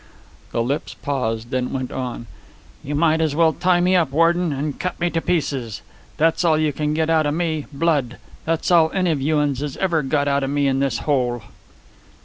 The lips paused, then went on. "You might as well tie me up, warden, and cut me to pieces. That's all you can get outa me blood. That's all any of you uns has ever got outa me in this hole."